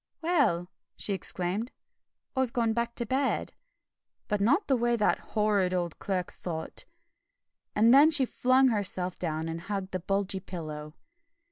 "Well!" she exclaimed, "I've gone back to bed, but not the way that horrid old Clerk thought." And then she flung herself down and hugged the bulgy pillow.